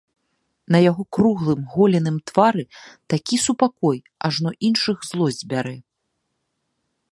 На яго круглым голеным твары такі супакой, ажно іншых злосць бярэ.